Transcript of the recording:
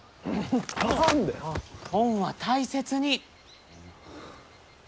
本は大切に！